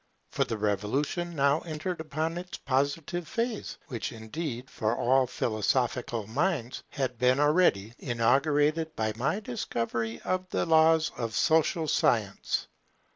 For the Revolution now entered upon its Positive phase; which indeed, for all philosophical minds, had been already inaugurated by my discovery of the laws of Social Science.